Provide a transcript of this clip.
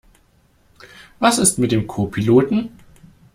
Was ist mit dem Co-Piloten?